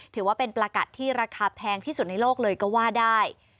ถือว่าเป็นประกัดที่ราคาแพงที่สุดในโลกเลยก็ว่าได้